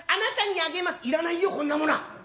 「いらないよこんなものは！」。